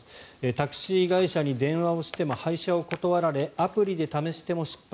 タクシー会社に電話をしても配車を断られアプリで試しても失敗。